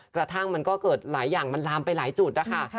กระทั่งมันก็เกิดหลายอย่างมันลามไปหลายจุดนะคะ